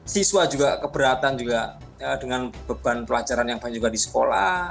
siswa juga keberatan juga dengan beban pelajaran yang banyak di sekolah